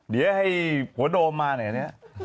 เดี๋ยวให้ขัวโดมมาหน่อย